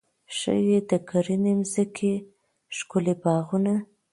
ښې د کرنې ځمکې، ښکلي باغونه